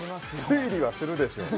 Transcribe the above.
推理はするでしょう